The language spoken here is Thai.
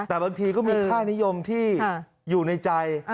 แต่บางทีก็มีค่านิยมที่อยู่ในใจ